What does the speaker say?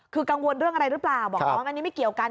คือกังวลเรื่องอะไรหรือเปล่าบอกน้องอันนี้ไม่เกี่ยวกัน